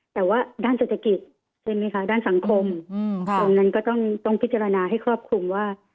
แต่ว่าด้านเศรษฐกิจใช่ไหมคะด้านสังคมตรงนั้นก็ต้องพิจารณาให้ครอบคลุมว่า